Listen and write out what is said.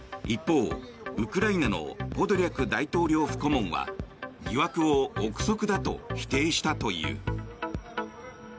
一方、ウクライナのポドリャク大統領府顧問は疑惑を臆測だと否定したという。